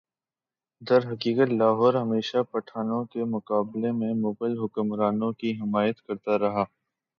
درحقیقت لاہور ہمیشہ پٹھانوں کے مقابلہ میں مغل حکمرانوں کی حمایت کرتا رہا